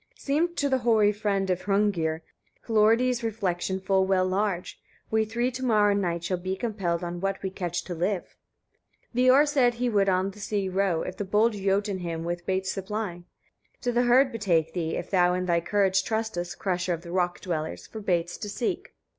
16. Seemed to the hoary friend of Hrungnir Hlorridi's refection full well large: "We three to morrow night shall be compelled on what we catch to live." 17. Veor said he would on the sea row, if the bold Jotun him would with baits supply: "To the herd betake thee, (if thou in thy courage trustest, crusher of the rock dwellers!) for baits to seek.